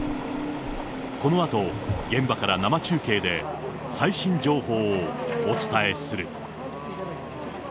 このあと、現場から生中継で最新情報をお伝えする。